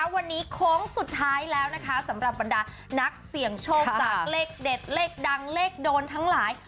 วันนี้โค้งสุดท้ายแล้วนะคะสำหรับบรรดานักเสี่ยงโชคจากเลขเด็ดเลขดังเลขโดนทั้งหลาย